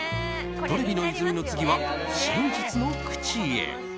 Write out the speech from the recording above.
トレビの泉の次は真実の口へ。